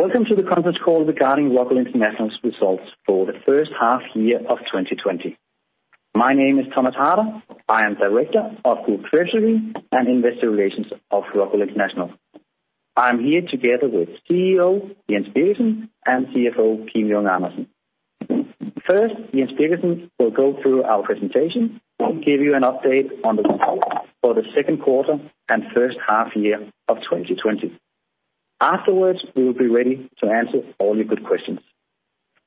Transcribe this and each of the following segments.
Welcome to the conference call regarding Rockwool International's results for the first half year of 2020. My name is Thomas Harder. I am Director of Group Treasury and Investor Relations of Rockwool International. I'm here together with CEO, Jens Birgersson and CFO, Kim Junge Andersen. Jens Birgersson will go through our presentation, give you an update on the results for the second quarter and first half year of 2020. Afterwards, we will be ready to answer all your good questions.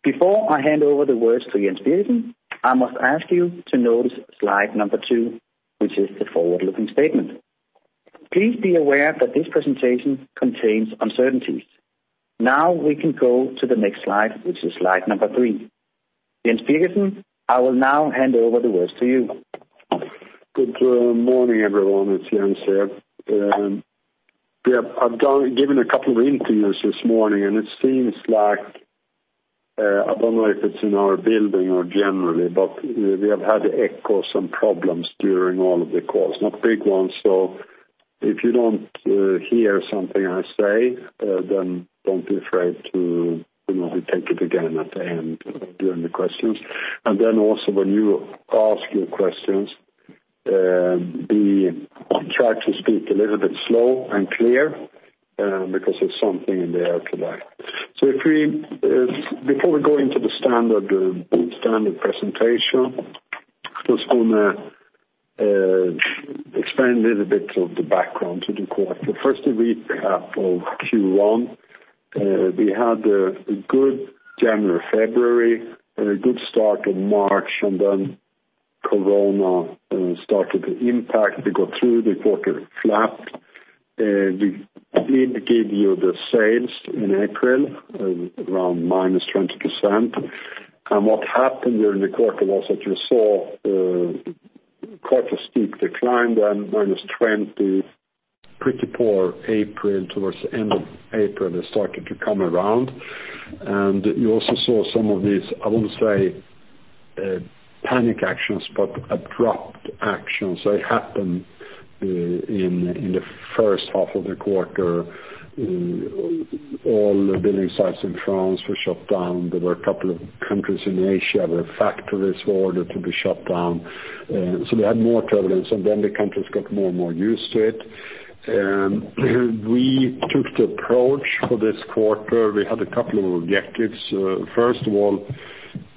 Before I hand over the words to Jens Birgersson, I must ask you to notice slide number two, which is the forward-looking statement. Please be aware that this presentation contains uncertainties. We can go to the next slide, which is slide number three. Jens Birgersson, I will now hand over the words to you. Good morning, everyone. It's Jens here. I've given a couple of interviews this morning. It seems like, I don't know if it's in our building or generally, we have had echo, some problems during all of the calls. Not big ones. If you don't hear something I say, don't be afraid to take it again at the end during the questions. Also when you ask your questions, try to speak a little bit slow and clear, because there's something in the air today. Before we go into the standard presentation, I just want to expand a little bit of the background to the quarter. First, a recap of Q1. We had a good January, February, a good start in March. Corona started to impact. We got through the quarter flat. We did give you the sales in April, around -20%. What happened during the quarter was that you saw quite a steep decline, -20%, pretty poor April. Towards the end of April, it started to come around. You also saw some of these, I wouldn't say panic actions, but abrupt actions that happened in the first half of the quarter. All the building sites in France were shut down. There were a couple of countries in Asia where factories were ordered to be shut down. We had more turbulence, and then the countries got more and more used to it. We took the approach for this quarter. We had a couple of objectives. First of all,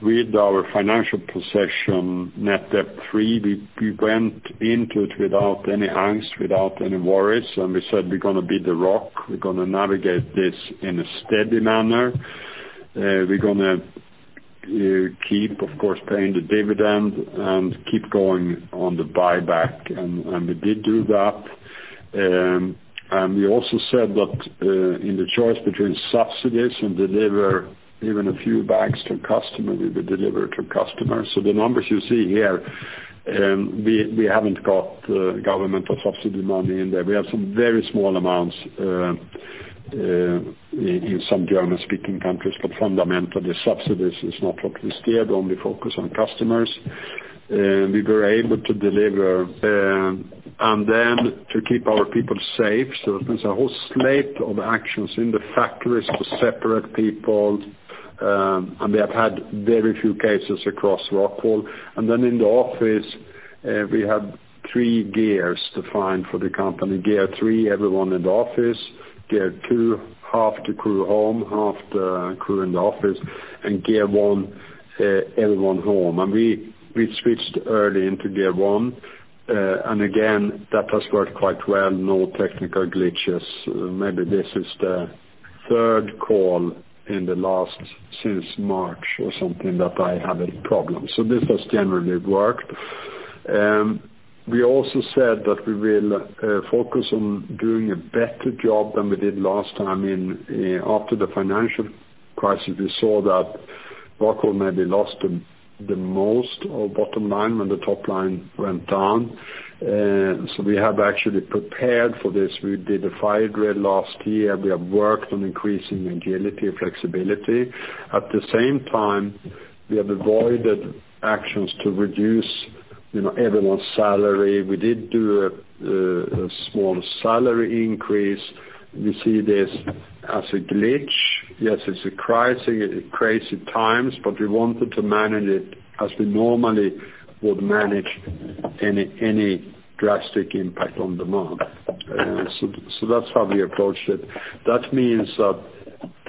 with our financial possession, net debt free, we went into it without any angst, without any worries. We said, we're going to be the rock. We're going to navigate this in a steady manner. We're going to keep, of course, paying the dividend and keep going on the buyback. We did do that. We also said that in the choice between subsidies and deliver even a few bags to a customer, we would deliver to customers. The numbers you see here, we haven't got governmental subsidy money in there. We have some very small amounts in some German-speaking countries. Fundamentally, subsidies is not what we steer, but only focus on customers. We were able to deliver, and then to keep our people safe. There's a whole slate of actions in the factories to separate people. We have had very few cases across Rockwool. Then in the office, we had three gears defined for the company. Gear three, everyone in the office, gear two, half the crew home, half the crew in the office, and gear one, everyone home. We switched early into gear one. Again, that has worked quite well. No technical glitches. Maybe this is the third call in the last, since March or something that I have a problem. This has generally worked. We also said that we will focus on doing a better job than we did last time. After the financial crisis, we saw that Rockwool maybe lost the most of bottom line when the top line went down. We have actually prepared for this. We did a fire drill last year. We have worked on increasing agility and flexibility. At the same time, we have avoided actions to reduce everyone's salary. We did do a small salary increase. We see this as a glitch. Yes, it's crazy times, but we wanted to manage it as we normally would manage any drastic impact on demand. That's how we approached it. That means that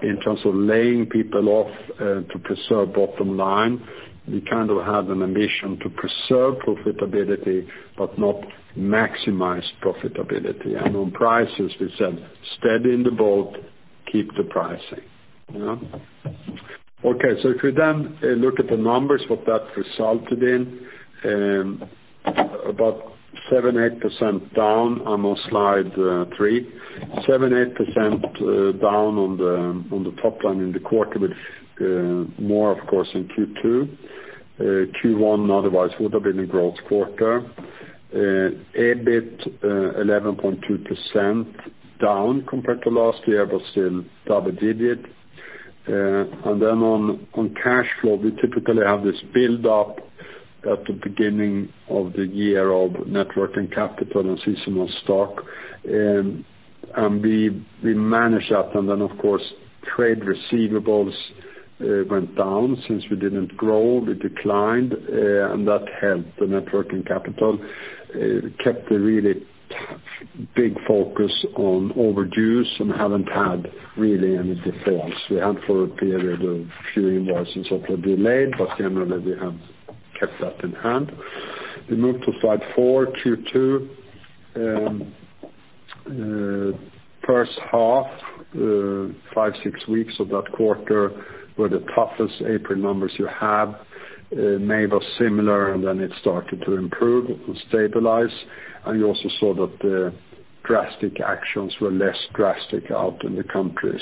in terms of laying people off to preserve bottom line, we kind of had an ambition to preserve profitability but not maximize profitability. On prices, we said, steady in the boat, keep the pricing. Okay. If we then look at the numbers, what that resulted in, about 7%-8% down on slide three. 7%-8% down on the top line in the quarter, but more, of course, in Q2. Q1, otherwise, would have been a growth quarter. EBIT, 11.2% down compared to last year, but still double-digit. Then on cash flow, we typically have this build up at the beginning of the year of net working capital and seasonal stock. We manage that and then, of course, trade receivables went down since we didn't grow, we declined, and that helped the net working capital. Kept a really big focus on overdues and haven't had really any defaults. We had for a period where a few invoices were delayed, but generally we have kept that in hand. We move to slide four, Q2. First half, five, six weeks of that quarter were the toughest April numbers you have. May was similar, then it started to improve and stabilize, and you also saw that the drastic actions were less drastic out in the countries.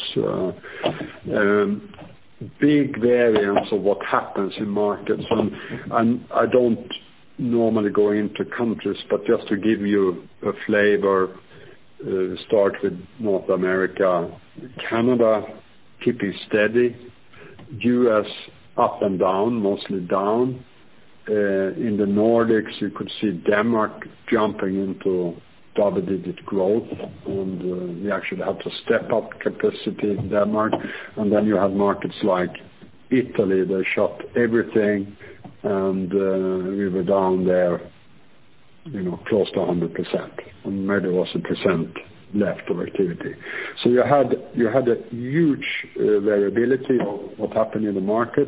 Big variance of what happens in markets. I don't normally go into countries, but just to give you a flavor, start with North America. Canada, keeping steady. U.S., up and down, mostly down. In the Nordics, you could see Denmark jumping into double-digit growth, and we actually had to step up capacity in Denmark. Then you have markets like Italy, they shut everything, and we were down there close to 100%, and maybe it was 1% left of activity. You had a huge variability of what happened in the market.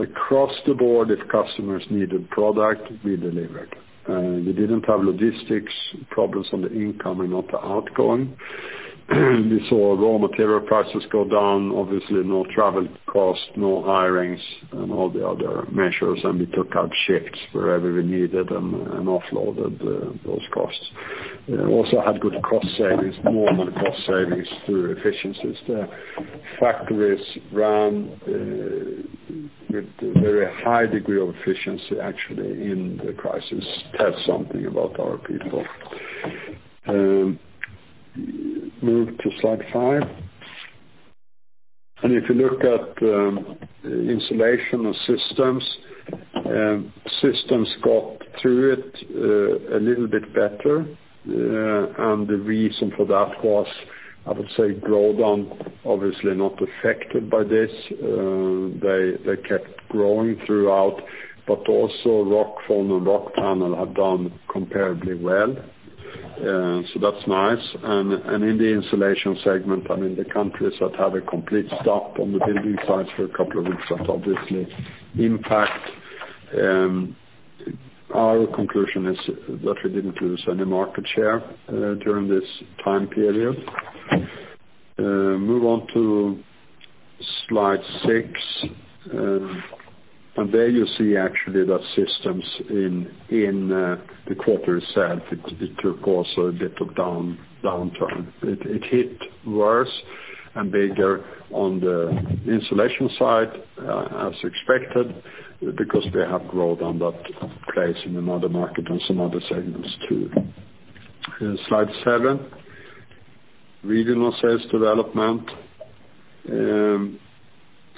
Across the board, if customers needed product, we delivered. We didn't have logistics problems on the incoming, not the outgoing. We saw raw material prices go down, obviously no travel cost, no hirings, and all the other measures, and we took out shifts wherever we needed and offloaded those costs. Also had good cost savings, normal cost savings through efficiencies. The factories ran with a very high degree of efficiency, actually, in the crisis. Says something about our people. Move to slide five. If you look at Insulation and Systems. Systems got through it a little bit better. The reason for that was, I would say, Grodan obviously not affected by this. They kept growing throughout, but also Rockfon and Rockpanel have done comparably well. That's nice. In the Insulation segment, the countries that had a complete stop on the building sites for a couple of weeks that obviously impact. Our conclusion is that we didn't lose any market share during this time period. Move on to slide six. There you see actually that Systems in the quarter itself, it took also a bit of downturn. It hit worse and bigger on the Insulation side, as expected, because we have Grodan that plays in another market and some other segments, too. Slide seven. Regional sales development.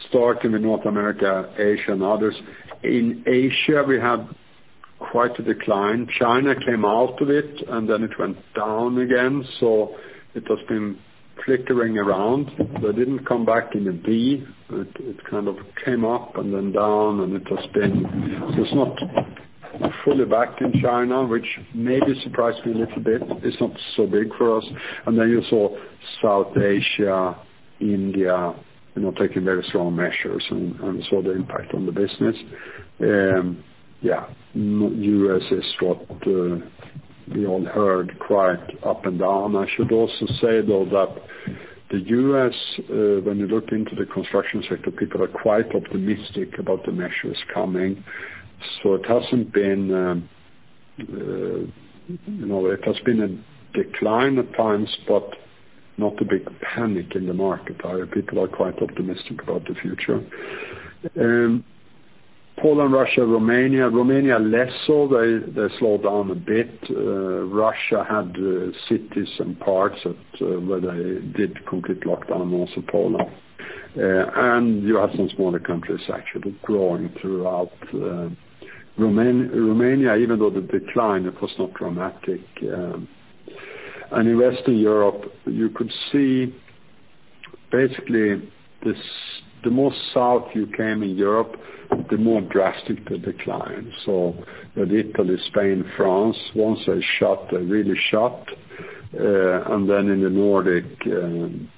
Starting with North America, Asia, and others. In Asia, we had quite a decline. China came out of it, and then it went down again, so it has been flickering around. It didn't come back in a V, but it kind of came up and then down. It's not fully back in China, which maybe surprised me a little bit. It's not so big for us. You saw South Asia, India taking very strong measures and saw the impact on the business. Yeah, U.S. is what we all heard, quite up and down. I should also say, though, that the U.S., when you look into the construction sector, people are quite optimistic about the measures coming. It has been a decline at times, but not a big panic in the market. People are quite optimistic about the future. Poland, Russia, Romania. Romania less so. They slowed down a bit. Russia had cities and parts where they did complete lockdown, also Poland. You have some smaller countries actually growing throughout. Romania, even though the decline, it was not dramatic. In Western Europe, you could see basically the more south you came in Europe, the more drastic the decline. With Italy, Spain, France, once they shut, they really shut. In the Nordic,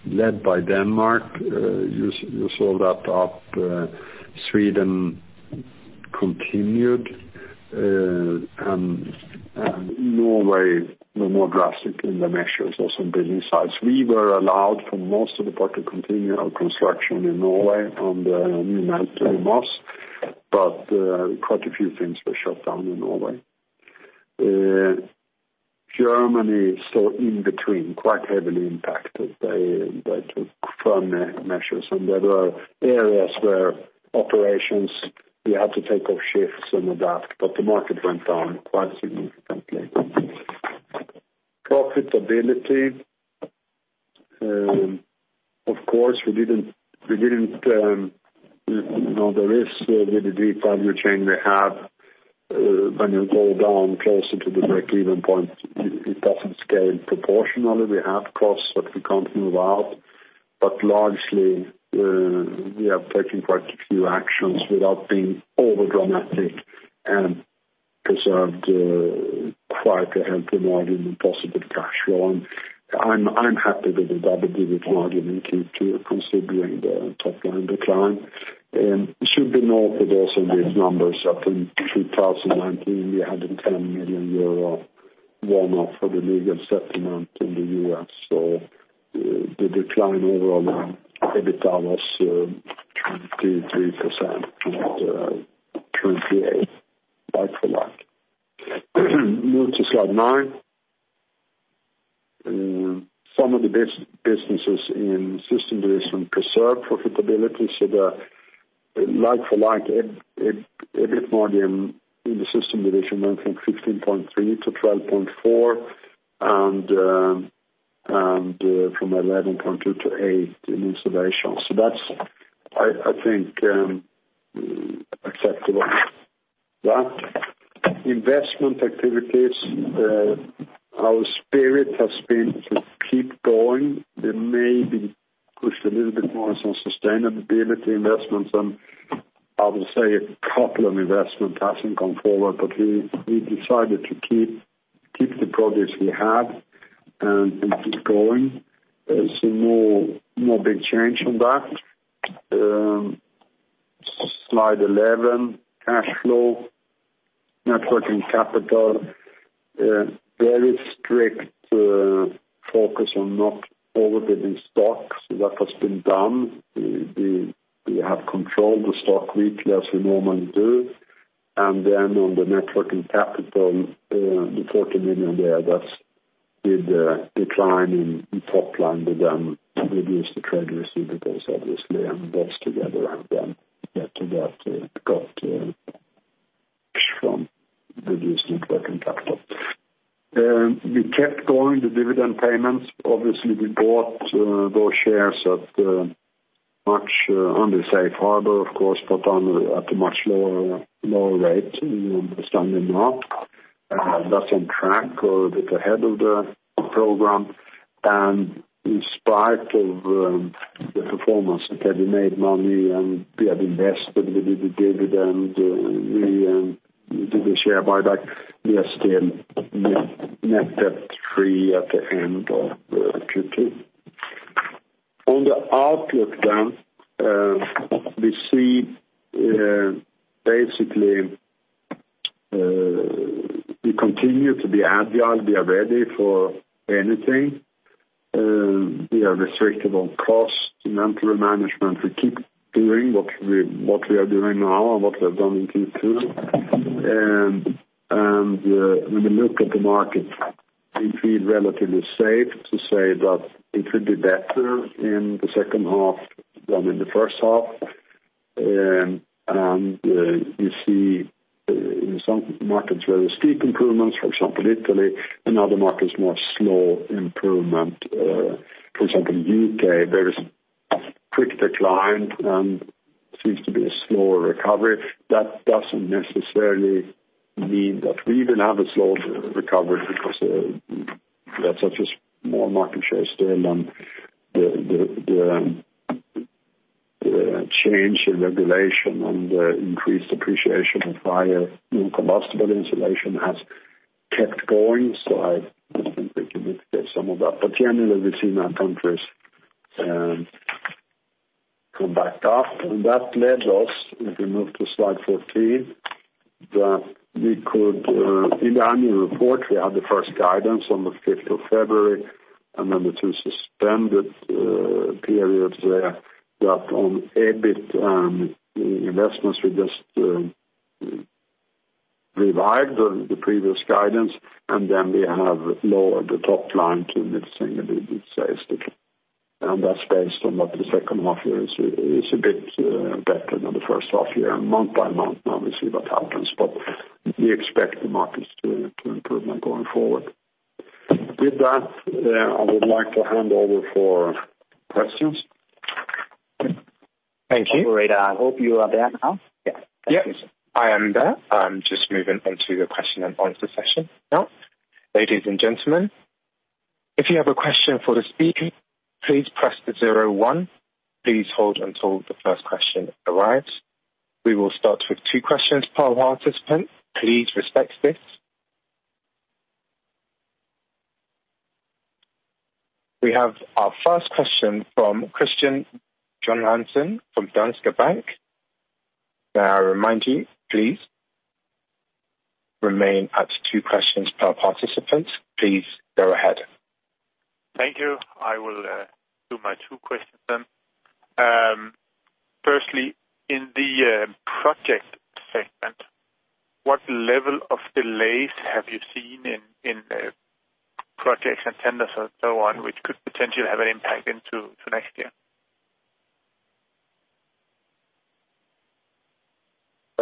led by Denmark, you saw that up. Sweden continued. Norway were more drastic in the measures, also building sites. We were allowed for most of the part to continue our construction in Norway and we managed to do most, but quite a few things were shut down in Norway. Germany, in between, quite heavily impacted. They took firm measures. There were areas where operations we had to take off shifts and all that. The market went down quite significantly. Profitability. Of course, there is with the deep value chain we have, when you go down closer to the breakeven point, it doesn't scale proportionally. We have costs that we can't move out. Largely, we have taken quite a few actions without being over-dramatic and preserved quite a healthy margin and positive cash flow. I'm happy with the EBITDA margin in Q2 considering the top-line decline. It should be noted also these numbers, that in 2019, we had a 10 million euro one-off for the legal settlement in the U.S. The decline overall on EBITDA was 23% from 2019, like-for-like. Move to slide nine. Some of the businesses in Systems segment preserved profitability. The like-for-like EBIT margin in the Systems segment went from 15.3-12.4, and from 11.2-8 in Insulation. That's, I think, acceptable. Next. Investment activities. Our spirit has been to keep going, then maybe push a little bit more on some sustainability investments, and I would say a couple of investment hasn't come forward, but we decided to keep the projects we have and keep going. No big change on that. Slide 11, cash flow. Net working capital, very strict focus on not overbuilding stocks. That has been done. We have controlled the stock weekly as we normally do. On the net working capital, the 40 million there, that's with the decline in top line. We then reduced the trade receivables, obviously, and those together have then led to that cut from reduced net working capital. We kept going the dividend payments. Obviously, we bought those shares at much under Safe Harbor, of course, but at a much lower rate in the Scandinavian market. That's on track or a bit ahead of the program. In spite of the performance, okay, we made money and we have invested, we did the dividend, we did the share buyback. We are still net debt-free at the end of Q2. On the outlook then, we see, we continue to be agile. We are ready for anything. We are restrictive on costs. Inventory management, we keep doing what we are doing now and what we have done in Q2. When we look at the market, we feel relatively safe to say that it will be better in the second half than in the first half. You see in some markets, very steep improvements, for example, Italy. In other markets, more slow improvement. For example, U.K., there is a quick decline and seems to be a slower recovery. That doesn't necessarily mean that we will have a slow recovery because that's just more market share still. The change in regulation and the increased appreciation of fire incombustible insulation has kept going. I think we can mitigate some of that. Generally, we see that countries come back up, and that led us, if we move to slide 14, that we could in the annual report, we had the first guidance on the 5th of February, and then the two suspended periods there. On EBIT and investments, we just revived the previous guidance, then we have lowered the top line to reflect a little bit more statistically. That's based on what the second half year is a bit better than the first half year month-by-month. Now we see what happens, but we expect the markets to improvement going forward. With that, I would like to hand over for questions. Thank you. Operator, I hope you are there now. Yes. I am there. I am just moving into the question and answer session now. Ladies and gentlemen, if you have a question for the speaker, please press the zero one. Please hold until the first question arrives. We will start with two questions per participant. Please respect this. We have our first question from Kristian Johansen from Danske Bank. May I remind you, please remain at two questions per participant. Please go ahead. Thank you. I will do my two questions then. Firstly, in the project segment, what level of delays have you seen in projects and tenders and so on, which could potentially have an impact into next year?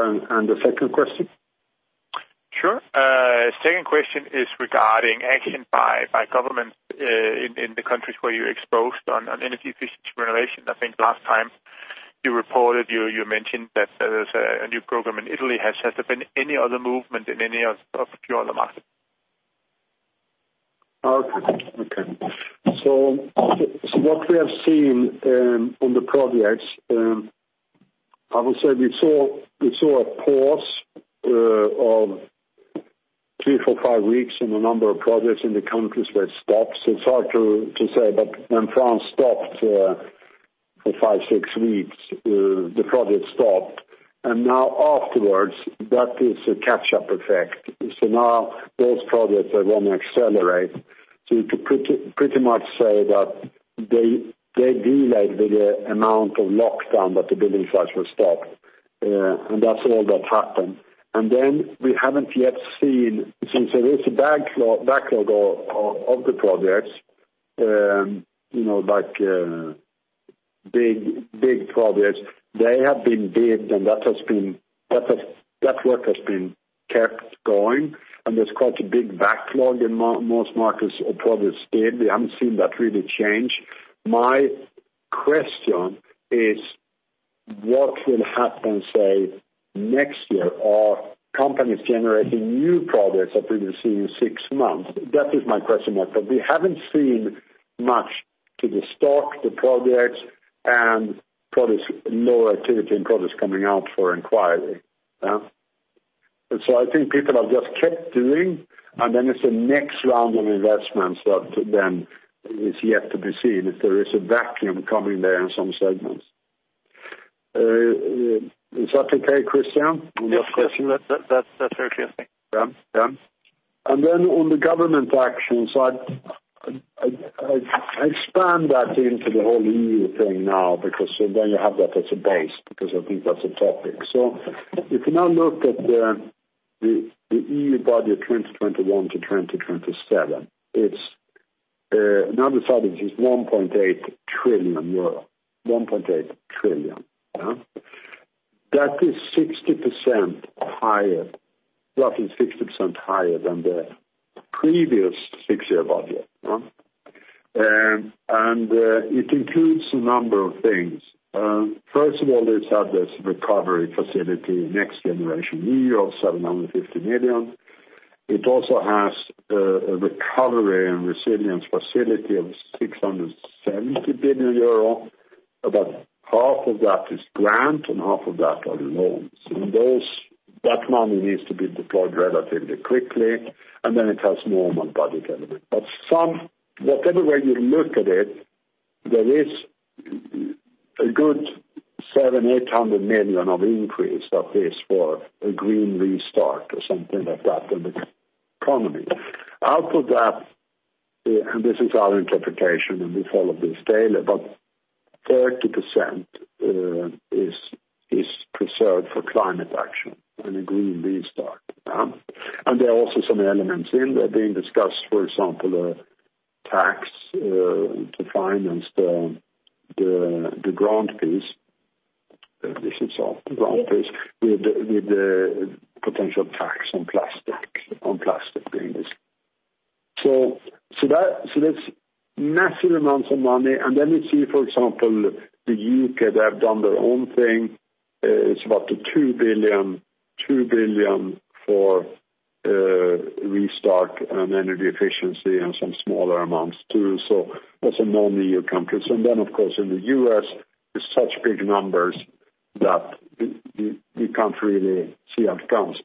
The second question? Sure. Second question is regarding action by government in the countries where you're exposed on energy efficiency renovation. I think last time you reported, you mentioned that there's a new program in Italy. Has there been any other movement in any of the other markets? Okay. What we have seen on the projects, I would say we saw a pause of three, four, five weeks in a number of projects in the countries where it stopped. It's hard to say, but when France stopped for five, six weeks, the project stopped. Now afterwards, that is a catch-up effect. Now those projects are going to accelerate. You could pretty much say that they delayed the amount of lockdown that the building sites were stopped. That's all that happened. We haven't yet seen, since there is a backlog of the projects, big projects, they have been bid, and that work has been kept going, and there's quite a big backlog in most markets of projects there. We haven't seen that really change. My question is what will happen, say, next year? Are companies generating new projects that we will see in six months? That is my question mark, but we haven't seen much to the stock, the projects, and lower activity in projects coming out for inquiry. I think people have just kept doing, and then it's the next round of investments that then is yet to be seen, if there is a vacuum coming there in some segments. Is that okay, Kristian? Yes, that's very clear, thank you. Yeah. On the government actions, I expand that into the whole EU thing now, because then you have that as a base, because I think that's a topic. If you now look at the EU budget 2021-2027, it's 1.8 trillion euro. 1.8 trillion. That is 60% higher than the previous six-year budget. It includes a number of things. First of all, it has this recovery facility, NextGenerationEU of 750 million. It also has a Recovery and Resilience Facility of 670 billion euro. About half of that is grant and half of that are loans. That money needs to be deployed relatively quickly, and then it has normal budget element. Whatever way you look at it, there is a good 700 million, 800 million of increase that is for a green restart or something like that in the economy. Out of that, and this is our interpretation and we follow this daily, but 30% is preserved for climate action and a green restart. There are also some elements in there being discussed, for example, a tax to finance the grant piece with the potential tax on plastic. That's massive amounts of money. You see, for example, the U.K., they have done their own thing. It's about 2 billion for restart and energy efficiency and some smaller amounts too. That's a non-EU country. Of course, in the U.S., it's such big numbers that we can't really see how it comes.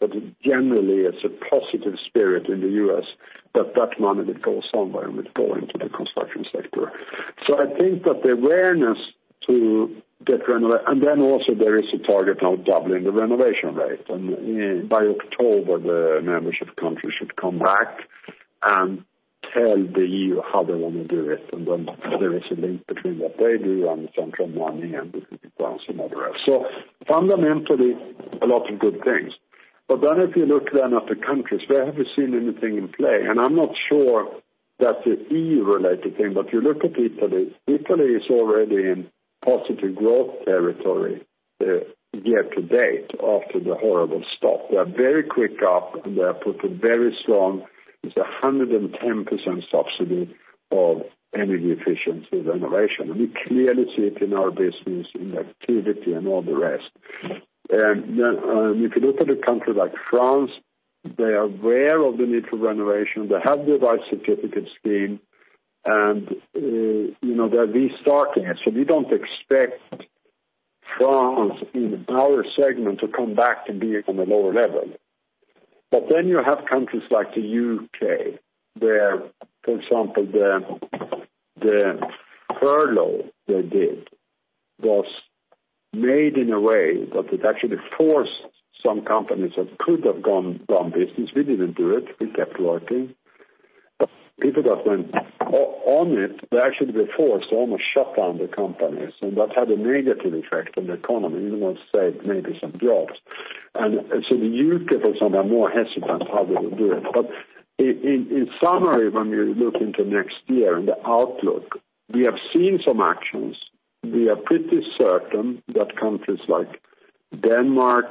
Generally, it's a positive spirit in the U.S., that that money will go somewhere and will go into the construction sector. I think that the awareness to get renovation. Also there is a target now of doubling the renovation rate, and by October, the membership countries should come back and tell the EU how they want to do it. There is a link between what they do and the central money, and this is advanced and all the rest. Fundamentally, a lot of good things. If you look then at the countries, where have you seen anything in play? I'm not sure that's an EU-related thing, but you look at Italy. Italy is already in positive growth territory year-to-date after the horrible stop. They are very quick up, and they have put a very strong, it's 110% subsidy of energy efficiency renovation. We clearly see it in our business, in the activity, and all the rest. If you look at a country like France, they are aware of the need for renovation. They have their white certificate scheme, and they're restarting it. We don't expect France in our segment to come back to be on a lower level. Then you have countries like the U.K., where, for example, the furlough they did was made in a way that it actually forced some companies that could have gone bust since we didn't do it, we kept working. People that went on it, they actually were forced, almost shut down their companies, and that had a negative effect on the economy, even though it saved maybe some jobs. So the U.K., for some, are more hesitant how they will do it. In summary, when we look into next year and the outlook, we have seen some actions. We are pretty certain that countries like Denmark,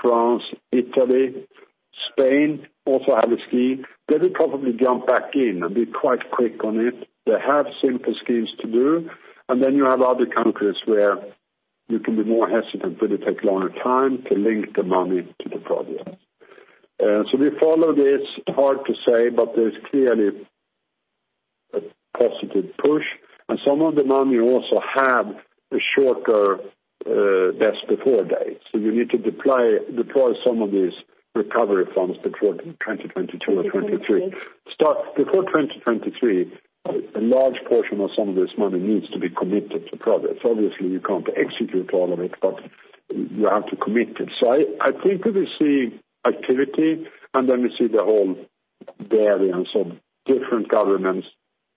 France, Italy, Spain also have a scheme. They will probably jump back in and be quite quick on it. They have simple schemes to do. Then you have other countries where you can be more hesitant, where they take a longer time to link the money to the project. We follow this. Hard to say. There's clearly a positive push. Some of the money also had a shorter best before date. You need to deploy some of these recovery funds before 2022 or 2023. Before 2023, a large portion of some of this money needs to be committed to projects. Obviously, you can't execute all of it. You have to commit it. I think that we see activity, and then we see the whole variance of different governments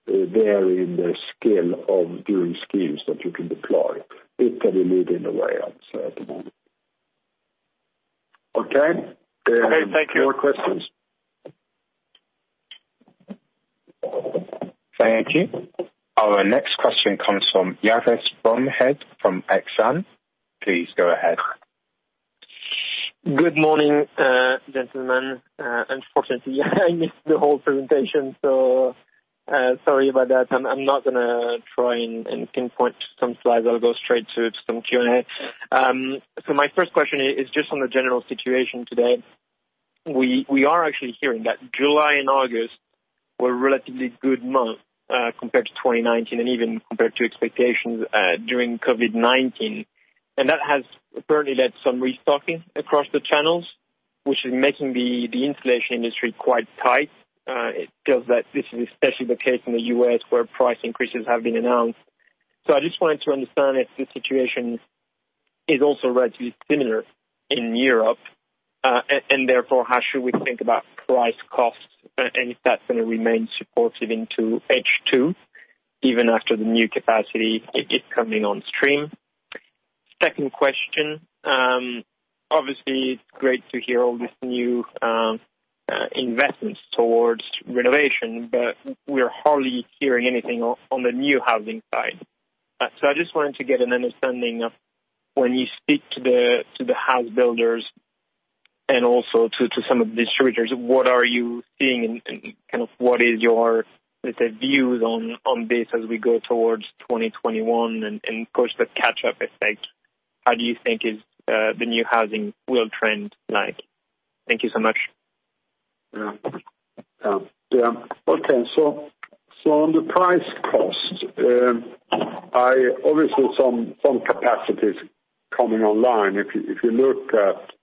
vary in their skill of doing schemes that you can deploy. It can be leading the way at the moment. Okay? Okay. Thank you. More questions? Thank you. Our next question comes from Yves Bromehead from Exane. Please go ahead. Good morning, gentlemen. Unfortunately, I missed the whole presentation. Sorry about that. I'm not gonna try and pinpoint some slides. I'll go straight to some Q&A. My first question is just on the general situation today. We are actually hearing that July and August were relatively good months, compared to 2019 and even compared to expectations during COVID-19. That has apparently led some restocking across the channels, which is making the insulation industry quite tight. It feels that this is especially the case in the U.S., where price increases have been announced. I just wanted to understand if the situation is also relatively similar in Europe, and therefore, how should we think about price costs and if that's going to remain supportive into H2, even after the new capacity is coming on stream. Second question, obviously it's great to hear all these new investments towards renovation, but we're hardly hearing anything on the new housing side. I just wanted to get an understanding of when you speak to the house builders and also to some of the distributors, what are you seeing and what is your, let's say, views on this as we go towards 2021 and, of course, the catch-up effect. How do you think the new housing will trend like? Thank you so much. On the price cost, obviously some capacity's coming online. If you look at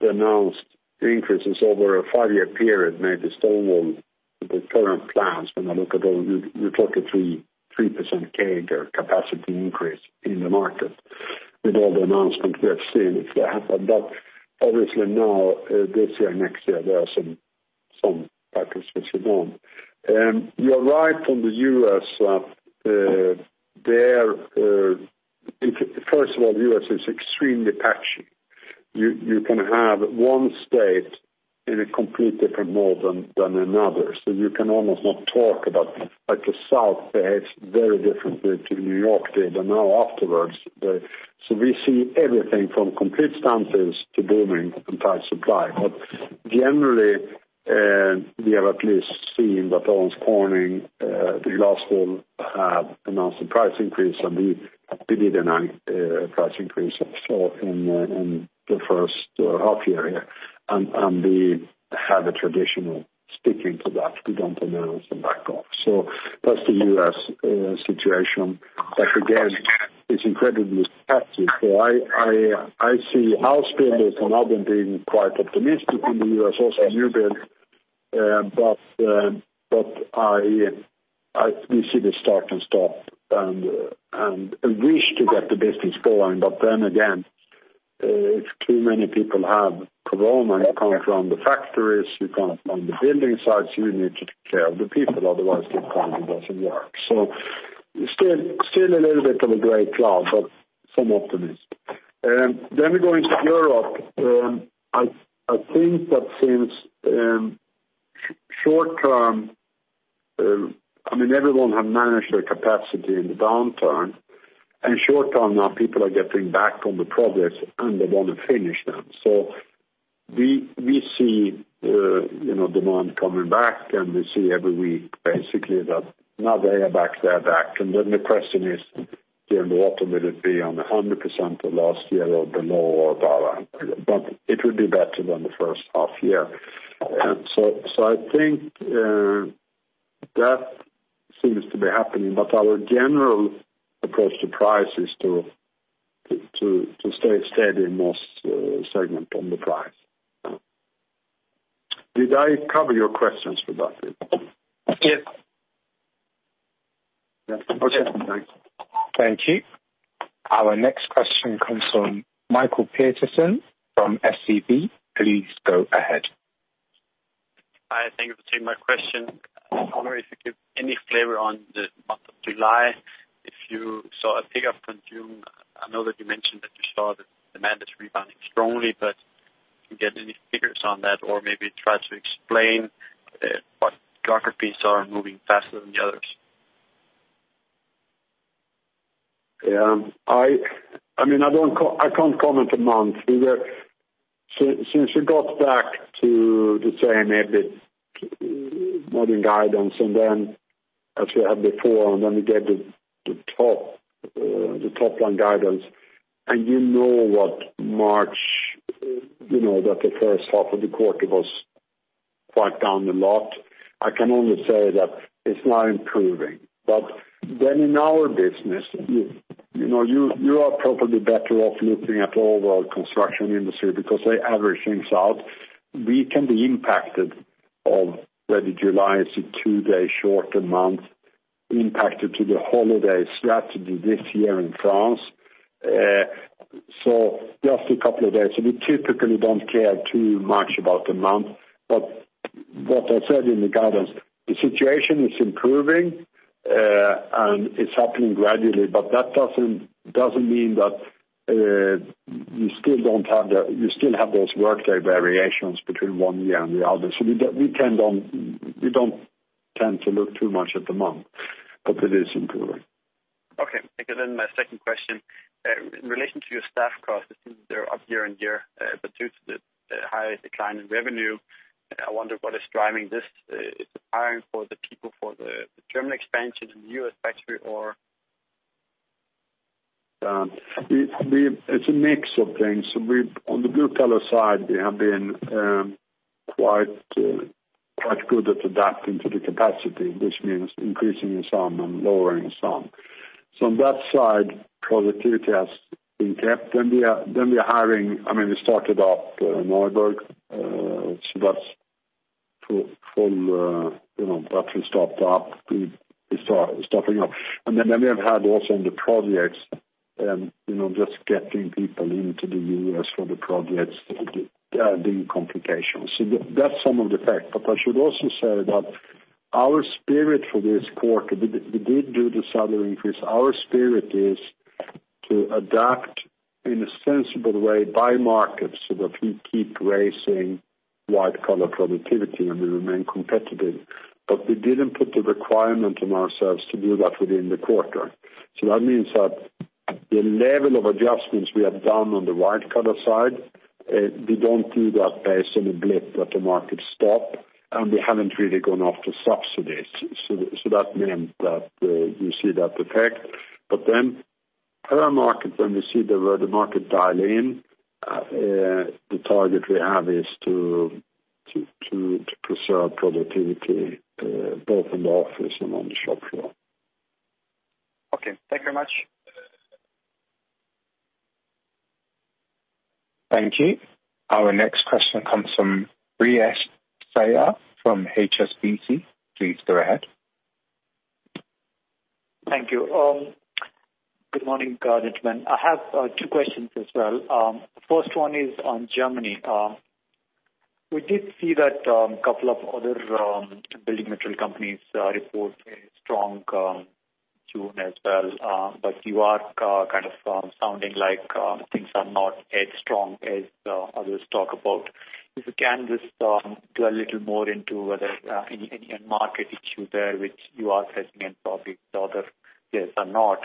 the announced increases over a five-year period, maybe stone wool the current plans, when you look at all, you're talking 3% CAGR capacity increase in the market with all the announcements we have seen. Obviously now, this year, next year, there are some factors which are gone. You're right on the U.S. First of all, the U.S. is extremely patchy. You can have one state in a complete different mode than another. You can almost not talk about like the South behaves very differently to New York did and now afterwards. We see everything from complete stances to booming and tight supply. Generally, we have at least seen that Owens Corning, the last one, have announced a price increase, and we did announce a price increase also in the first half year. We have a traditional sticking to that. We don't announce and back off. That's the U.S. situation. Again, it's incredibly patchy. I see house builders and others being quite optimistic in the U.S., also new build. We see the start and stop and a wish to get the business going. Again, if too many people have corona, you can't run the factories, you can't run the building sites. You need to take care of the people, otherwise the economy doesn't work. Still a little bit of a gray cloud, but some optimism. We go into Europe, I think that since short term, everyone have managed their capacity in the downturn, and short term now people are getting back on the projects and they want to finish them. We see demand coming back, and we see every week basically that now they are back. The question is, during the autumn, will it be on 100% of last year or below or above? It will be better than the first half year. I think that seems to be happening, but our general approach to price is to stay steady in most segment on the price. Did I cover your questions for that bit? Yes. Yeah. Okay. Thanks. Thank you. Our next question comes from Michael Rasmussen from SEB. Please go ahead. Hi, thank you for taking my question. I wonder if you give any flavor on the month of July? If you saw a pickup from June, I know that you mentioned that you saw that demand is rebounding strongly, but can we get any figures on that or maybe try to explain what geographies are moving faster than the others? I can't comment a month. We got back to the same EBIT margin guidance and then as we had before, and then we get the top-line guidance, and you know what, March, that the first half of the quarter was quite down a lot. I can only say that it's now improving. In our business, you are probably better off looking at the overall construction industry because they average things out. We can be impacted by whether July is a two-day shorter month, impacted by the holiday strategy this year in France. Just a couple of days. We typically don't care too much about the month. What I said in the guidance, the situation is improving, and it's happening gradually, but that doesn't mean that you still have those workday variations between one year and the other. We don't tend to look too much at the month, but it is improving. Okay. My second question. In relation to your staff costs, it seems they're up year-over-year, due to the highest decline in revenue, I wonder what is driving this. Is it hiring for the people for the German expansion, the U.S. factory or? It's a mix of things. On the blue collar side, we have been quite good at adapting to the capacity, which means increasing in some and lowering some. On that side, productivity has been kept. We are hiring. We started up Neuburg. That's fully started up. We have had also on the projects, just getting people into the U.S. for the projects, there have been complications. That's some of the fact. I should also say that our spirit for this quarter, we did do the salary increase. Our spirit is to adapt in a sensible way by market, so that we keep raising white collar productivity and we remain competitive. We didn't put the requirement on ourselves to do that within the quarter. That means that the level of adjustments we have done on the white collar side, we don't do that based on a blip that the market stop, and we haven't really gone after subsidies. That means that you see that effect. Other markets, when we see the market dial in, the target we have is to preserve productivity, both in the office and on the shop floor. Okay. Thank you very much. Thank you. Our next question comes from Brijesh Siya from HSBC. Please go ahead. Thank you. Good morning, gentlemen. I have two questions as well. First one is on Germany. We did see that a couple of other building material companies report a strong June as well, but you are kind of sounding like things are not as strong as others talk about. If you can just go a little more into whether any end market issue there, which you are facing and probably the others are not.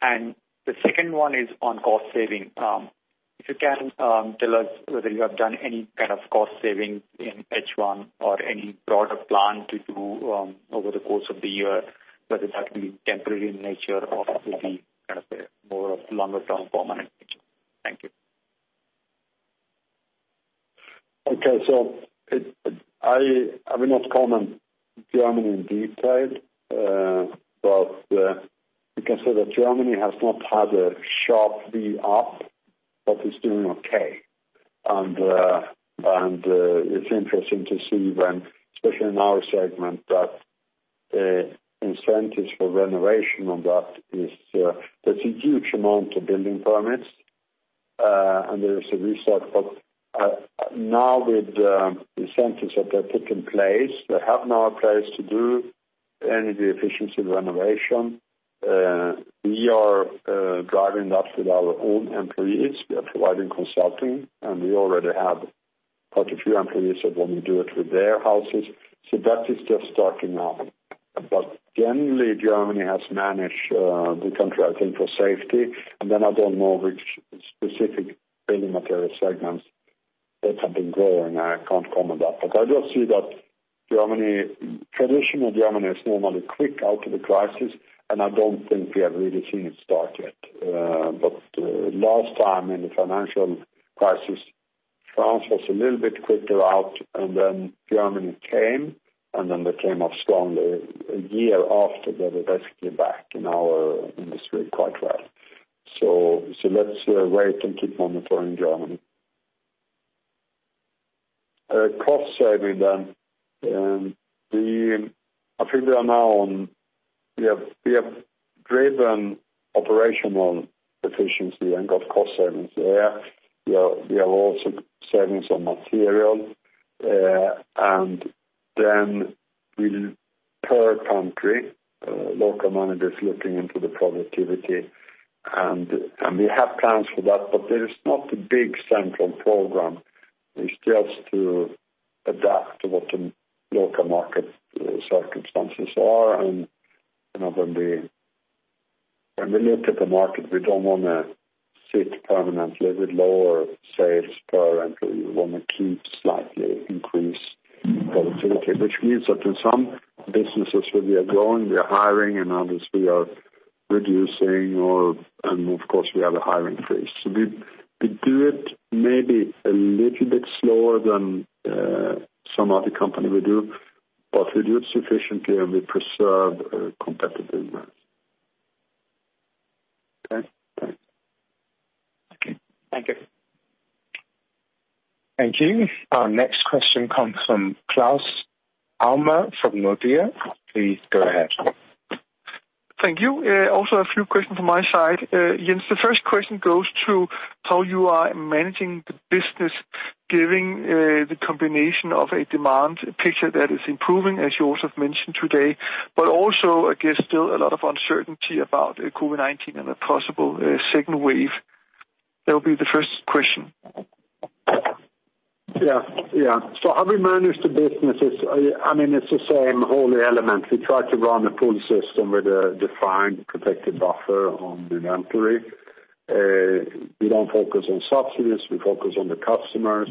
The second one is on cost saving. If you can tell us whether you have done any kind of cost saving in H1 or any broader plan to do over the course of the year, whether that be temporary in nature or it will be kind of a more of longer-term permanent nature. Thank you. Okay. I will not comment Germany in detail. We can say that Germany has not had a sharp V-up, but it's doing okay. It's interesting to see when, especially in our segment, that incentives for renovation, there's a huge amount of building permits, and there is a reset. Now with the incentives that are put in place, they have now a place to do energy efficiency renovation. We are driving that with our own employees. We are providing consulting, and we already have quite a few employees that want to do it with their houses. That is just starting now. Generally, Germany has managed the country, I think, for safety. I don't know which specific building material segments that have been growing. I can't comment that. I just see that traditionally, Germany is normally quick out of a crisis, and I don't think we have really seen it start yet. Last time in the financial crisis, France was a little bit quicker out, and then Germany came, and then they came off strong a year after. They were basically back in our industry quite well. Let's wait and keep monitoring Germany. Cost saving. We have driven operational efficiency and got cost savings there. We have also savings on material. We per country, local managers looking into the productivity, and we have plans for that, but there's not a big central program. It's just to adapt to what the local market circumstances are. When we look at the market, we don't want to sit permanently with lower sales per entry. We want to keep slightly increased productivity, which means that in some businesses where we are growing, we are hiring, in others we are reducing. Of course we have a hiring freeze. We do it maybe a little bit slower than some other company will do, but we do it sufficiently and we preserve competitiveness. Okay, thanks. Okay. Thank you. Thank you. Our next question comes from Claus Almer from Nordea. Please go ahead. Thank you. A few questions from my side. Jens, the first question goes to how you are managing the business, giving the combination of a demand picture that is improving, as you also have mentioned today, but also, I guess, still a lot of uncertainty about COVID-19 and a possible second wave. That will be the first question. How we manage the business, it's the same whole element. We try to run a pull system with a defined protected buffer on inventory. We don't focus on subsidies, we focus on the customers.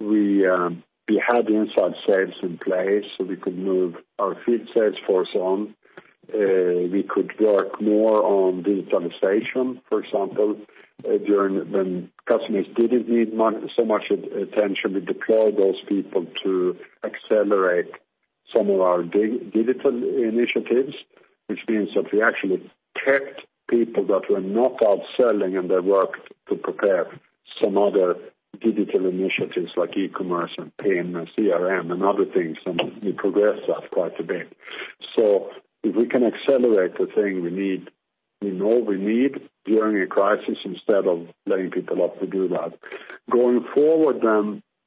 We had inside sales in place so we could move our field sales force on. We could work more on digitalization, for example, during when customers didn't need so much attention, we deployed those people to accelerate some of our digital initiatives, which means that we actually kept people that were not out selling and they worked to prepare some other digital initiatives like e-commerce and building the CRM and other things. We progressed that quite a bit. If we can accelerate the thing we know we need during a crisis instead of laying people off to do that. Going forward,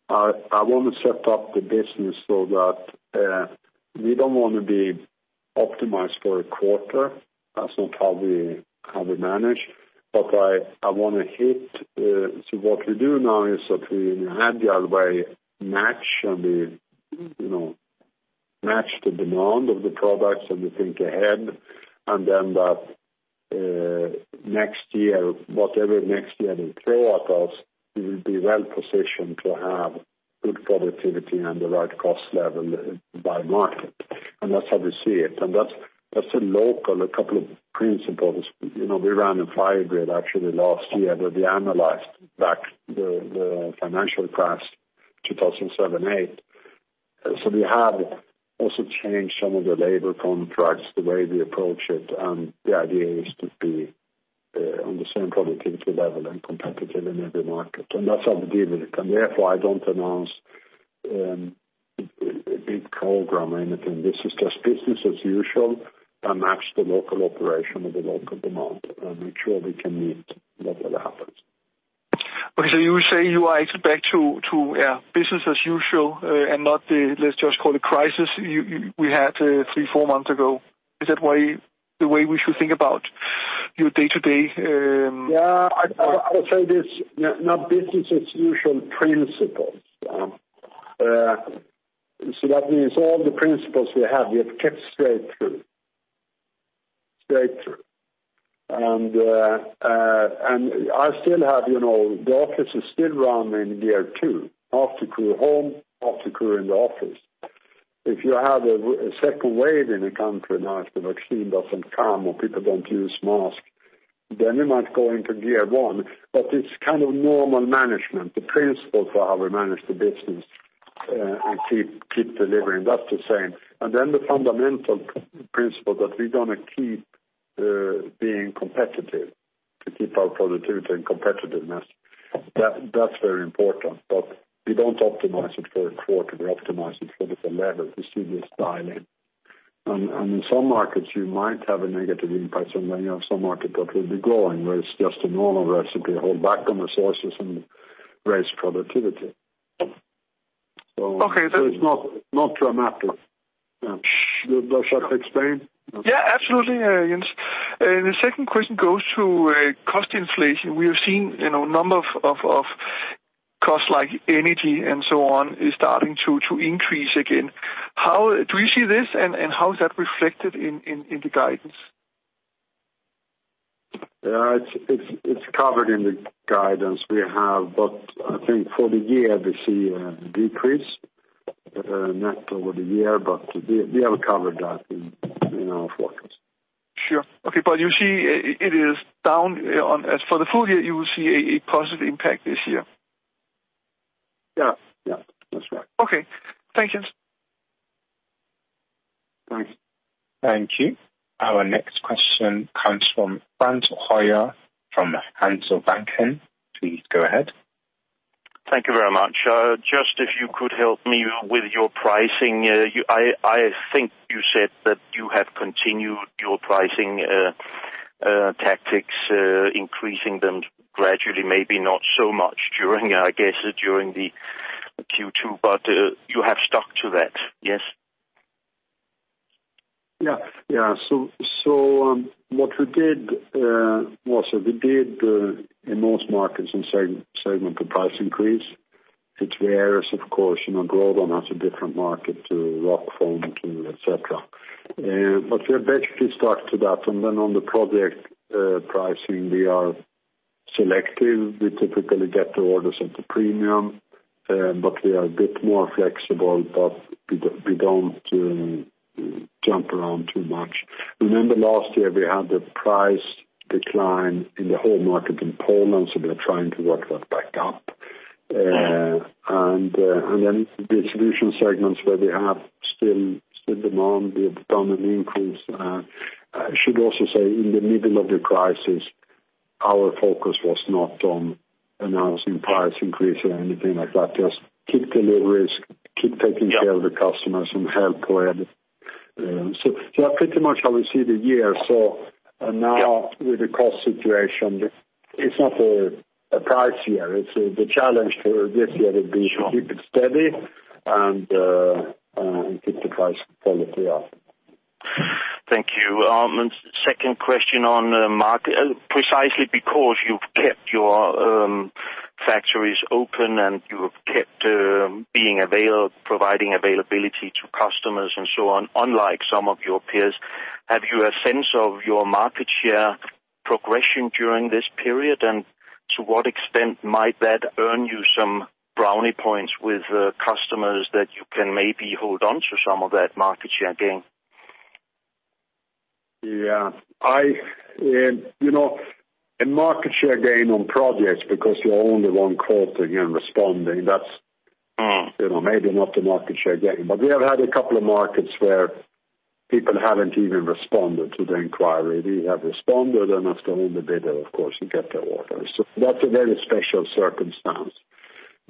I want to set up the business so that we don't want to be optimized for a quarter. That's not how we manage. What we do now is that we had the other way match the demand of the products, and we think ahead, and then that next year, whatever next year will throw at us, we will be well-positioned to have good productivity and the right cost level by market. That's how we see it. That's a local, a couple of principles. We ran a fire drill actually last year where we analyzed back the financial crash 2007/2008. We had also changed some of the labor contracts, the way we approach it, and the idea is to be on the same productivity level and competitive in every market, and that's how we deal with it. Therefore, I don't announce a big program or anything. This is just business as usual, and match the local operation with the local demand, and make sure we can meet whatever happens. Okay. You say you are expect to business as usual and not the, let's just call it crisis we had three, four months ago. Is that the way we should think about your day-to-day? Yeah. I would say this, not business as usual principles. That means all the principles we have, we have kept straight through. The office is still running gear two. Half the crew home, half the crew in the office. If you have a second wave in a country now, if the vaccine doesn't come or people don't use masks, then we might go into gear one, but it's kind of normal management. The principles are how we manage the business and keep delivering. That's the same. The fundamental principle that we're going to keep being competitive to keep our productivity and competitiveness. That's very important. We don't optimize it for a quarter, we optimize it for the level. We see this dial in. In some markets, you might have a negative impact and then you have some market that will be growing where it's just a normal recipe, hold back on resources and raise productivity. Okay. It's not dramatic. Does that explain? Yeah, absolutely, Jens. The second question goes to cost inflation. We have seen a number of costs like energy and so on is starting to increase again. Do we see this and how is that reflected in the guidance? It's covered in the guidance we have. I think for the year we see a decrease net over the year. We have covered that in our forecast. Sure. Okay, you see it is down on as for the full year, you will see a positive impact this year? Yeah. That's right. Okay. Thanks, Jens. Thanks. Thank you. Our next question comes from Franz Hoyer from Handelsbanken. Please go ahead. Thank you very much. Just if you could help me with your pricing. I think you said that you have continued your pricing tactics, increasing them gradually, maybe not so much, I guess, during the Q2, but you have stuck to that, yes? Yeah. What we did was we did, in most markets and segment, a price increase. It's various, of course, Grodan has a different market to Rockwool, Rockfon, et cetera. We have basically stuck to that. On the project pricing, we are selective. We typically get the orders at a premium, but we are a bit more flexible, but we don't jump around too much. Remember last year, we had a price decline in the whole market in Poland, so we are trying to work that back up. Yeah. The distribution segments where we have still demand, we have done an increase. I should also say, in the middle of the crisis, our focus was not on announcing price increase or anything like that, just keep deliveries. Yeah Care of the customers and help where. That pretty much how we see the year. Yeah With the cost situation, it's not a price year. The challenge for this year will be to keep it steady and keep the price quality up. Thank you. Second question on market. Precisely because you've kept your factories open and you have kept providing availability to customers and so on, unlike some of your peers, have you a sense of your market share progression during this period? To what extent might that earn you some brownie points with customers that you can maybe hold onto some of that market share gain? Yeah. In market share gain on projects, because you're only one quoting and responding, that's. We have had a couple of markets where people haven't even responded to the inquiry. We have responded, and as the only bidder of course, we get the order. That's a very special circumstance.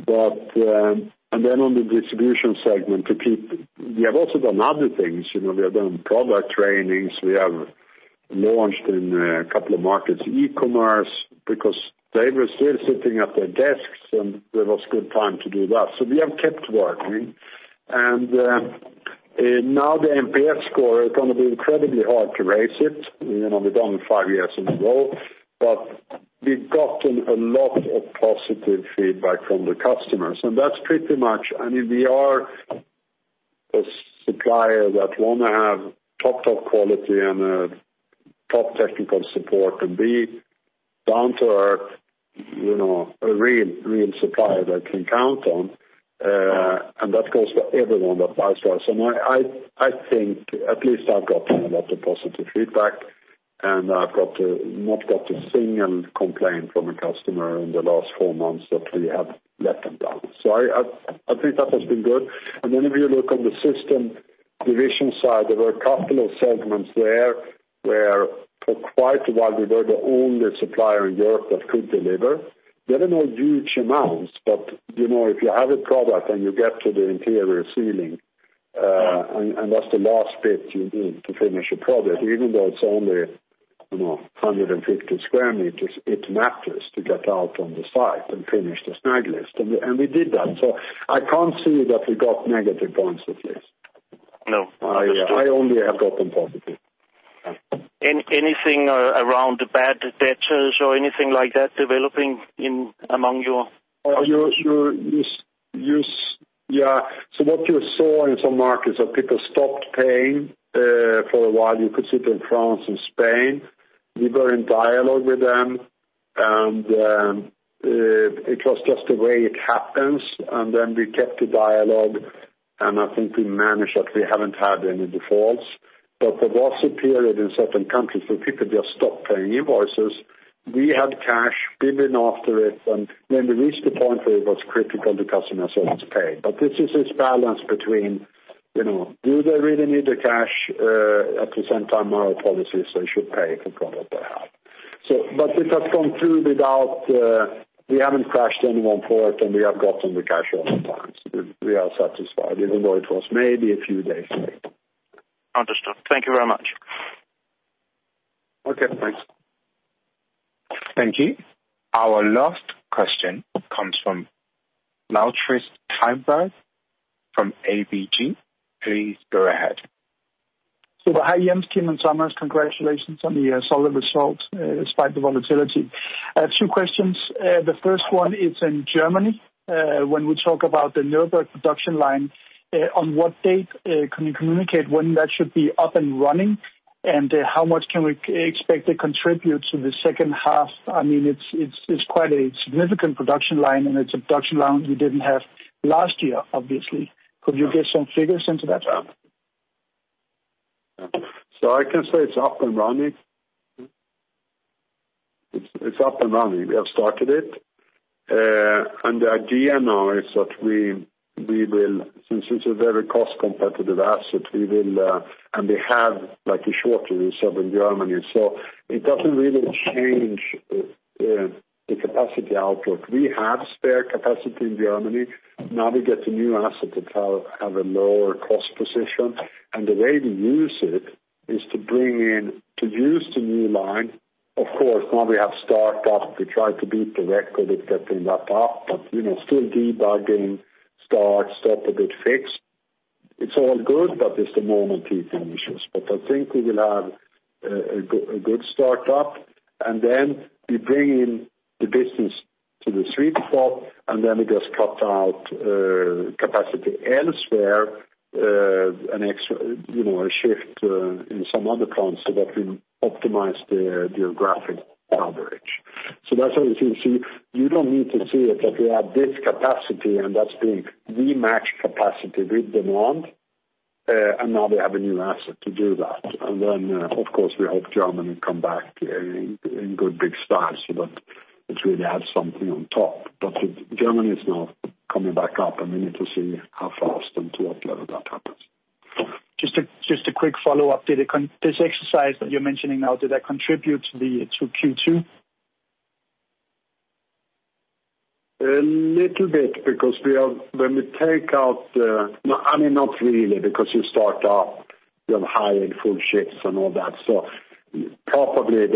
On the distribution segment, we have also done other things. We have done product trainings. We have launched in a couple of markets, e-commerce, because they were still sitting at their desks, and it was good time to do that. We have kept working. The NPS score is going to be incredibly hard to raise it. We've done five years in a row, but we've gotten a lot of positive feedback from the customers. That's pretty much, we are a supplier that want to have top quality and top technical support and be down to earth, a real supplier they can count on. That goes for everyone that buys from us. I think at least I've gotten a lot of positive feedback, and I've not got a single complaint from a customer in the last four months that we have let them down. I think that has been good. If you look on the Systems segment side, there were a couple of segments there where for quite a while, we were the only supplier in Europe that could deliver. They were not huge amounts, but if you have a product and you get to the interior ceiling. Yeah That's the last bit you need to finish a project, even though it's only 150 sq m, it matters to get out on the site and finish the snag list. We did that. I can't see that we got negative points at least. No. I understand. I only have gotten positive. Anything around bad debtors or anything like that developing among your customers? What you saw in some markets are people stopped paying for a while. You could see it in France and Spain. We were in dialogue with them, and it was just the way it happens, and then we kept the dialogue, and I think we managed that we haven't had any defaults. There was a period in certain countries where people just stopped paying invoices. We had cash. We've been after it, and when we reached the point where it was critical, the customer said, "Let's pay." This is its balance between, do they really need the cash? At the same time, our policy is they should pay for product they have. It has gone through. We haven't crushed anyone's fort, and we have gotten the cash all the time. We are satisfied even though it was maybe a few days late. Understood. Thank you very much. Okay, thanks. Thank you. Our last question comes from Lars Topholm from ABG. Please go ahead. Hi, Jens, Kim and Thomas, congratulations on the solid results despite the volatility. Two questions. The first one is in Germany. When we talk about the Neuburg production line, on what date can you communicate when that should be up and running, and how much can we expect to contribute to the second half? It's quite a significant production line, and it's a production line you didn't have last year, obviously. Could you give some figures into that? I can say it's up and running. It's up and running. We have started it. The idea now is that since it's a very cost-competitive asset, and they have like a shortage of in Germany, so it doesn't really change the capacity outlook. We have spare capacity in Germany. Now we get a new asset that have a lower cost position, and the way we use it is to use the new line. Of course, now we have start-up. We try to beat the record with getting that up, but still debugging, start, stop, a good fix. It's all good, but just a moment taking issues. I think we will have a good start-up, and then we bring in the business to the sweet spot, and then we just cut out capacity elsewhere, a shift in some other plants so that we optimize the geographic coverage. That's how we seem to. You don't need to see it that we have this capacity, and we match capacity with demand, and now we have a new asset to do that. Then, of course, we hope Germany come back in good, big style so that it really adds something on top. Germany is now coming back up, and we need to see how fast and to what level that happens. Just a quick follow-up. This exercise that you're mentioning now, did that contribute to Q2? A little bit, because when we take out the I mean, not really, because you start up, you have hired full shifts and all that. Probably,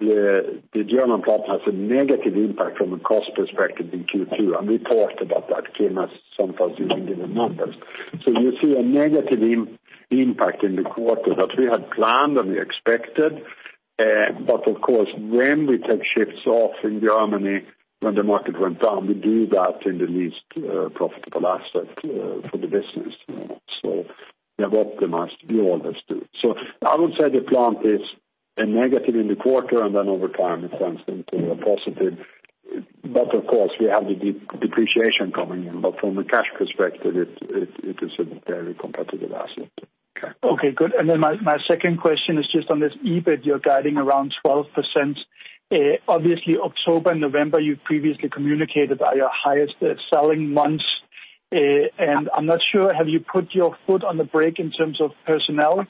the German plant has a negative impact from a cost perspective in Q2, and we talked about that, Kim, as sometimes using different numbers. You see a negative impact in the quarter that we had planned and we expected. Of course, when we take shifts off in Germany, when the market went down, we do that in the least profitable asset for the business. We optimize the orders, too. I would say the plant is a negative in the quarter, and then over time, it turns into a positive. Of course, we have the depreciation coming in, but from a cash perspective, it is a very competitive asset. Okay, good. My second question is just on this EBIT, you're guiding around 12%. Obviously, October and November, you've previously communicated are your highest selling months. I'm not sure, have you put your foot on the brake in terms of personnel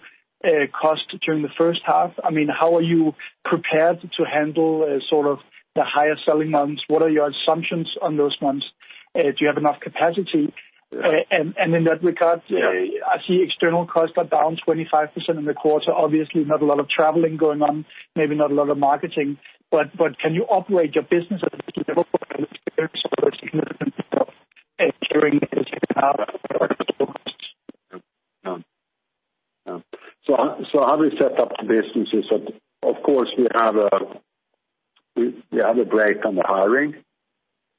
cost during the first half? I mean, how are you prepared to handle sort of the higher selling months? What are your assumptions on those months? Do you have enough capacity? In that regard, I see external costs are down 25% in the quarter. Obviously, not a lot of traveling going on, maybe not a lot of marketing. Can you operate your business at this level from an experience perspective in terms of carrying the costs? How we set up the business is that, of course, we have a break on the hiring.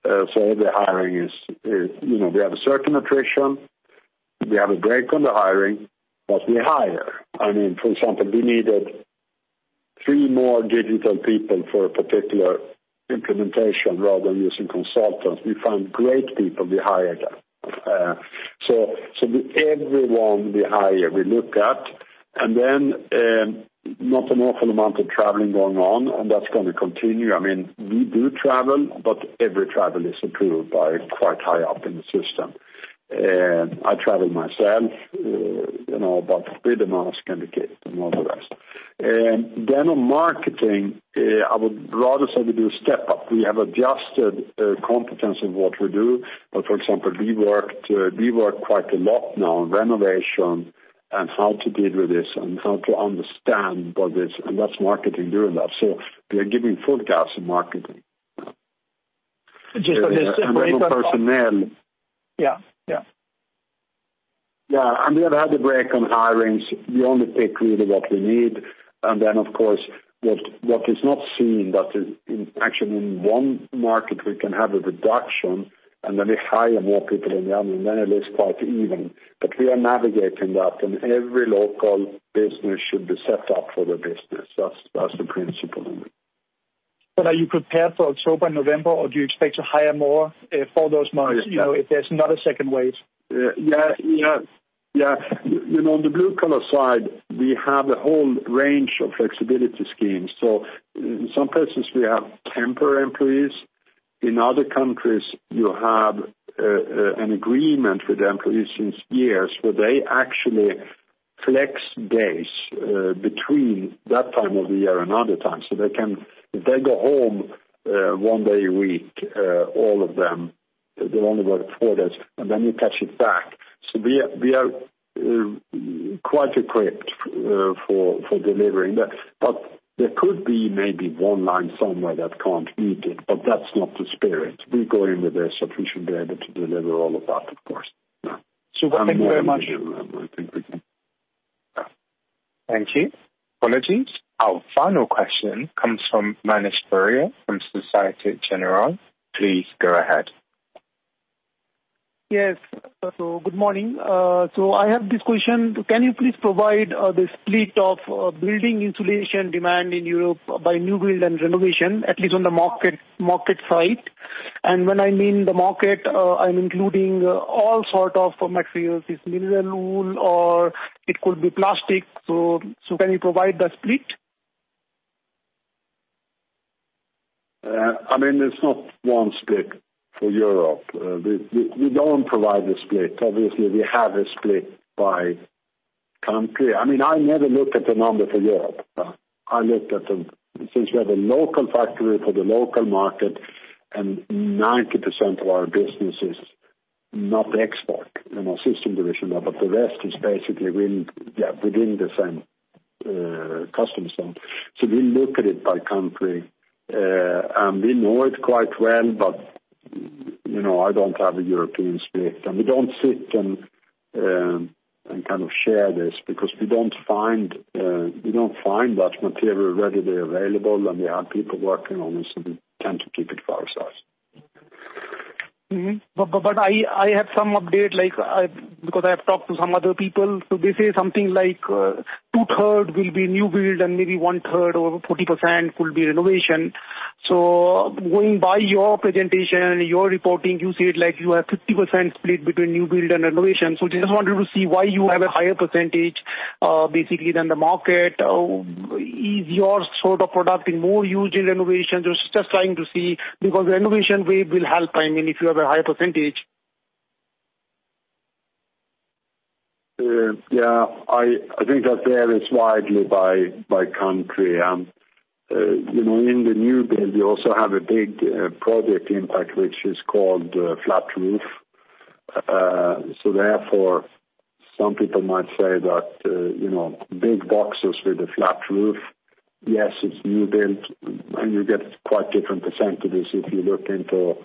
The hiring is we have a certain attrition. We have a break on the hiring, but we hire. I mean, for example, we needed three more digital people for a particular implementation rather than using consultants. We found great people, we hire them. With everyone we hire, we look at. Not an awful amount of traveling going on, and that's going to continue. I mean, we do travel, but every travel is approved by quite high up in the system. I travel myself, but with a mask and all the rest. On marketing, I would rather say we do a step-up. We have adjusted competence of what we do. For example, we worked quite a lot now on renovation and how to deal with this and how to understand what is, and that's marketing doing that. We are giving forecasts in marketing. Just on this break- On personnel. Yeah. Yeah. I mean, we had a break on hirings. We only take really what we need. Then, of course, what is not seen, but is actually in one market, we can have a reduction, and then we hire more people in the other, and then it is quite even. We are navigating that, and every local business should be set up for the business. That's the principle in it. Are you prepared for October, November, or do you expect to hire more for those months? Yeah if there's not a second wave? Yeah. On the blue-collar side, we have a whole range of flexibility schemes. In some places, we have temporary employees. In other countries, you have an agreement with the employees since years where they actually flex days between that time of the year and other times. They go home one day a week, all of them. They only work four days, and then you catch it back. We are quite equipped for delivering that. There could be maybe one line somewhere that can't meet it, but that's not the spirit. We go in with this, so we should be able to deliver all of that, of course. Super. Thank you very much. More than deliver, I think we can. Thank you. Operators, our final question comes from Manish Beria from Societe Generale. Please go ahead. Yes. Good morning. I have this question. Can you please provide the split of building insulation demand in Europe by new build and renovation, at least on the market side? When I mean the market, I'm including all sort of materials. It's mineral wool or it could be plastic. Can you provide the split? I mean, there's not one split for Europe. We don't provide a split. Obviously, we have a split by country. I never look at the number for Europe. I look at the, since we have a local factory for the local market, and 90% of our business is not export in our Systems segment now, but the rest is basically within the same customs zone. We look at it by country, and we know it quite well, but I don't have a European split. We don't sit and kind of share this because we don't find much material readily available, and we have people working on it, so we tend to keep it to ourselves. I have some update, because I have talked to some other people. They say something like two-third will be new build and maybe 1/3 or 40% will be renovation. Going by your presentation, your reporting, you said you have 50% split between new build and renovation. Just wanted to see why you have a higher percentage basically than the market. Is your sort of product more used in renovations? Just trying to see, because the renovation wave will help if you have a higher percentage. Yeah. I think that there it's widely by country. In the new build you also have a big project impact, which is called flat roof. Therefore, some people might say that, big boxes with a flat roof, yes, it's new build, and you get quite different percent if you look into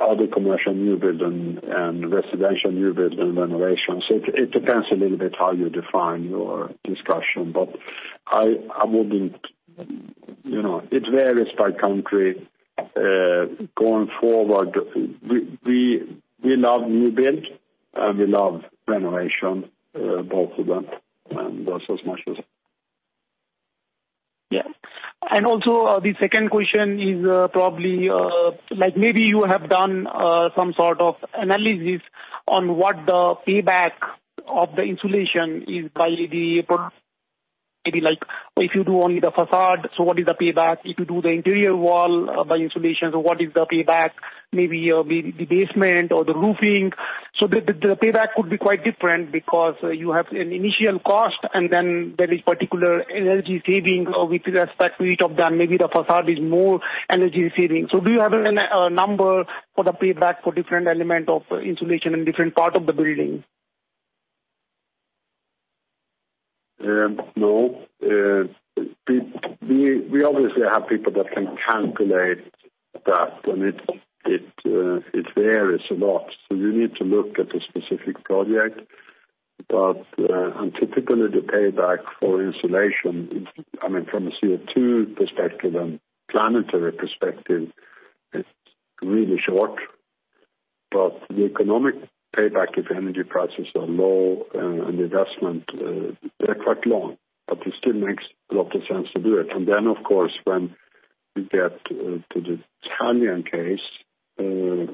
other commercial new build and residential new build and renovation. It depends a little bit how you define your discussion, but it varies by country. Going forward, we love new build, and we love renovation, both of them, and that's as much as. Yeah. Also, the second question is probably, maybe you have done some sort of analysis on what the payback of the Insulation is by the product. Maybe if you do only the facade, what is the payback? If you do the interior wall by Insulation, what is the payback? Maybe the basement or the roofing. The payback could be quite different because you have an initial cost and then there is particular energy savings with respect to each of them. Maybe the facade is more energy savings. Do you have a number for the payback for different element of Insulation in different part of the building? No. We obviously have people that can calculate that. It varies a lot. You need to look at the specific project. Typically, the payback for insulation, from a CO2 perspective and planetary perspective, it's really short. The economic payback, if energy prices are low and the investment, they're quite long, but it still makes a lot of sense to do it. Then, of course, when you get to the Italian case, the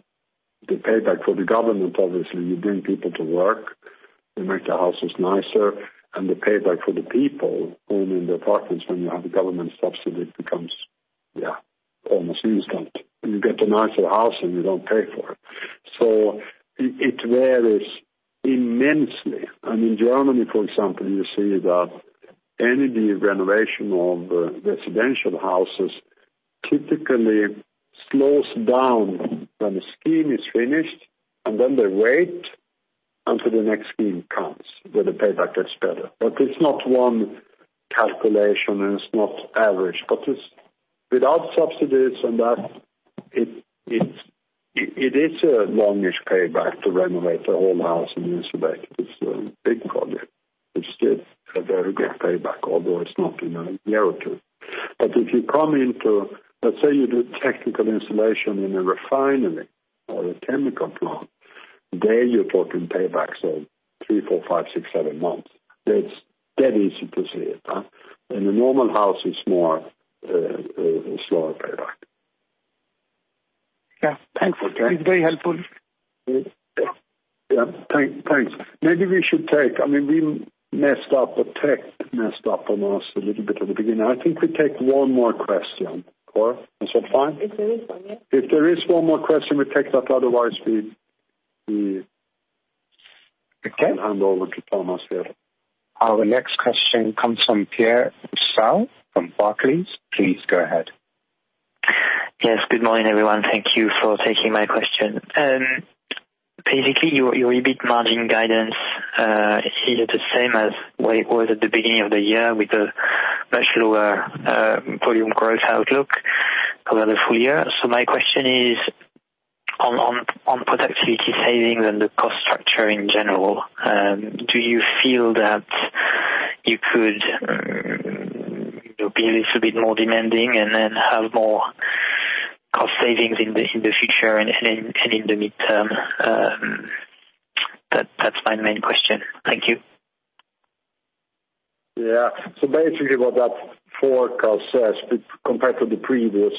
payback for the government, obviously, you bring people to work, you make the houses nicer. The payback for the people owning the apartments when you have a government subsidy becomes almost instant. You get a nicer house, and you don't pay for it. It varies immensely. In Germany, for example, you see that energy renovation of residential houses typically slows down when the scheme is finished, and then they wait until the next scheme comes, where the payback gets better. It's not one calculation, and it's not average. Without subsidies and that, it is a long-ish payback to renovate a whole house and insulate it. It's a big project. It's still a very good payback, although it's not in a year or two. If you come into, let's say you do technical insulation in a refinery or a chemical plant, there you're talking paybacks of three, four, five, six, seven months. That it's dead easy to see it. In a normal house, it's more a slower payback. Yeah. Thanks. Okay. It's very helpful. Thanks. We messed up, or tech messed up on us a little bit at the beginning. I think we take one more question. Cora, is that fine? If there is one, yeah. If there is one more question, we take that. Okay Hand over to Thomas here. Our next question comes from Pierre Rousseau from Barclays. Please go ahead. Good morning, everyone. Thank you for taking my question. Basically, your EBIT margin guidance is either the same as what it was at the beginning of the year with the much lower volume growth outlook over the full year. My question is on productivity savings and the cost structure in general, do you feel that you could be a little bit more demanding and then have more cost savings in the future and in the midterm? That's my main question. Thank you. Yeah. Basically, what that forecast says, compared to the previous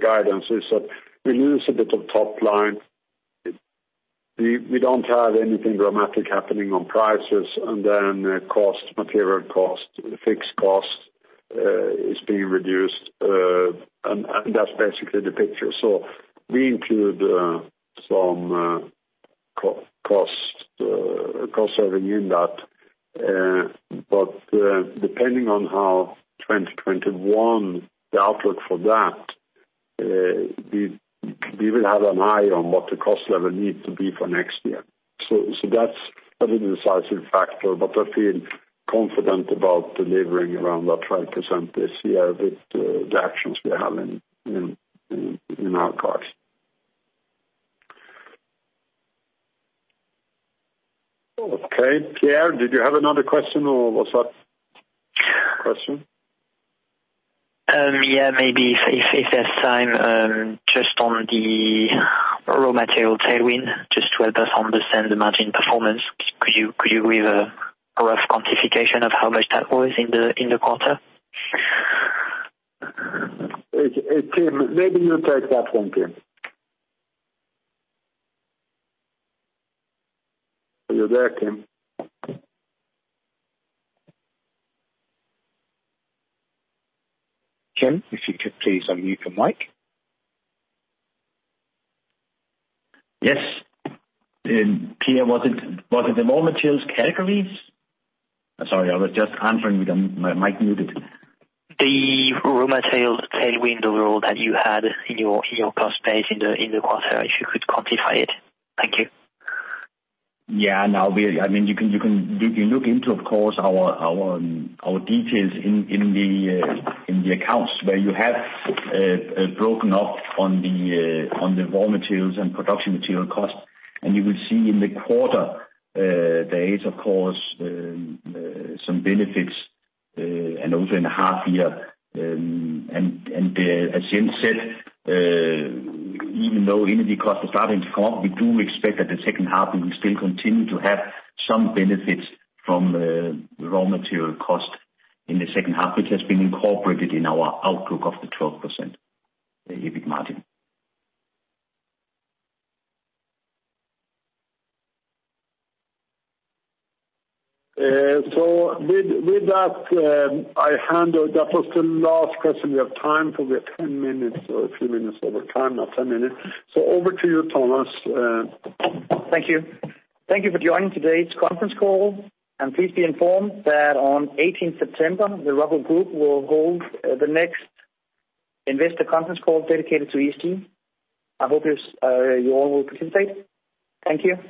guidance, is that we lose a bit of top line. We don't have anything dramatic happening on prices, and then cost, material cost, fixed costs is being reduced, and that's basically the picture. We include some cost saving in that. Depending on how 2021, the outlook for that, we will have an eye on what the cost level needs to be for next year. That's a really decisive factor, but I feel confident about delivering around that 20% this year with the actions we have in our costs. Okay, Pierre, did you have another question, or was that the question? Yeah, maybe if there's time, just on the raw material tailwind, just to help us understand the margin performance, could you give a rough quantification of how much that was in the quarter? Kim, maybe you take that one, Kim. Are you there, Kim? Kim, if you could please unmute your mic. Yes. Pierre, was it the raw materials categories? Sorry, I was just answering with my mic muted. The raw material tailwind overall that you had in your cost base in the quarter, if you could quantify it. Thank you. Yeah. You can look into, of course, our details in the accounts where you have broken up on the raw materials and production material cost. You will see in the quarter there is, of course, some benefits, and also in the half year. As Jens said, even though energy costs are starting to fall, we do expect that the second half, we will still continue to have some benefits from the raw material cost in the second half, which has been incorporated in our outlook of the 12% EBIT margin. With that was the last question. We have time for 10 minutes, or a few minutes over time, not 10 minutes. Over to you, Thomas. Thank you. Thank you for joining today's conference call. Please be informed that on 18th September, the Rockwool Group will hold the next investor conference call dedicated to ESG theme. I hope you all will participate. Thank you.